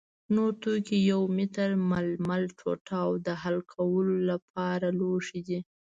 نور توکي یو متر ململ ټوټه او د حل کولو لپاره لوښي دي.